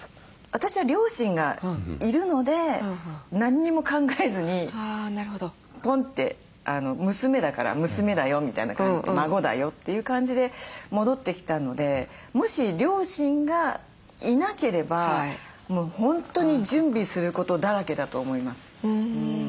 私は両親がいるので何も考えずにポンって娘だから「娘だよ」みたいな感じで「孫だよ」という感じで戻ってきたのでもし両親がいなければもう本当に準備することだらけだと思います。